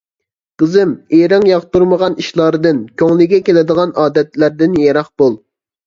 قىزىم، ئېرىڭ ياقتۇرمىغان ئىشلاردىن، كۆڭلىگە كېلىدىغان ئادەتلەردىن يىراق بول.